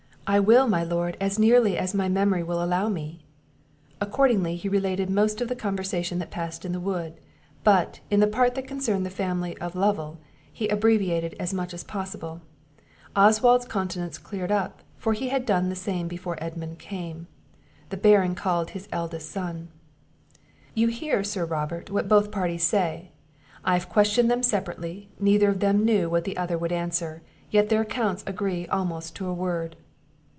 "I will, my lord, as nearly as my memory will allow me." Accordingly he related most of the conversation that passed in the wood; but, in the part that concerned the family of Lovel, he abbreviated as much as possible. Oswald's countenance cleared up, for he had done the same before Edmund came. The Baron called to his eldest son. "You hear, Sir Robert, what both parties say; I have questioned them separately; neither of them knew what the other would answer, yet their accounts agree almost to a word."